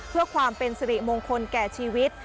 เพื่อความเป็นสิริมงคลแก่ชีวิต